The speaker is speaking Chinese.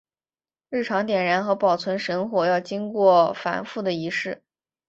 日常点燃和保存神火要经过繁复的仪式。